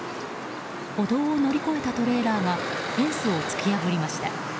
歩道を乗り越えたトレーラーがフェンスを突き破りました。